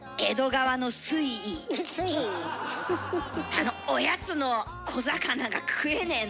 あのおやつの小魚が食えねえの。